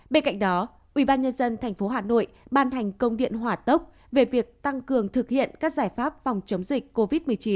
bên cạnh đó ubnd tp hà nội ban hành công điện hỏa tốc về việc tăng cường thực hiện các giải pháp phòng chống dịch covid một mươi chín